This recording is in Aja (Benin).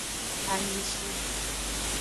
Anyishi.